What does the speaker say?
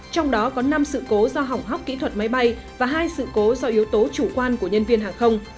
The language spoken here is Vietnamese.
trong đó có năm sự cố do hỏng hóc kỹ thuật máy bay và hai sự cố do yếu tố chủ quan của nhân viên hàng không